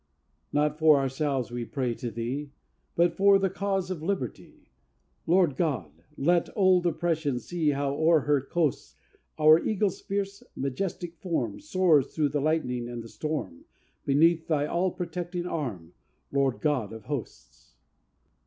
IV Not for ourselves we pray to Thee; But for the cause of liberty, Lord God! Let old Oppression see How o'er her coasts Our Eagle's fierce, majestic form Soars through the lightning and the storm Beneath thy all protecting arm, Lord God of Hosts!